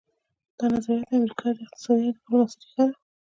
دا نظریه د امریکا د اقتصادي ډیپلوماسي ریښه ده